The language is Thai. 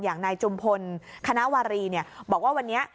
อย่างนายจุมพลคณะวารีบอกว่าวันนี้